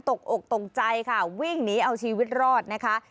อกตกใจค่ะวิ่งหนีเอาชีวิตรอดนะคะ